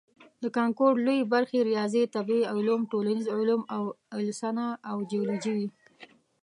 د کانکور لویې برخې ریاضي، طبیعي علوم، ټولنیز علوم او السنه او جیولوجي وي.